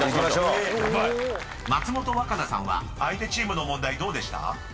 ［松本若菜さんは相手チームの問題どうでした？］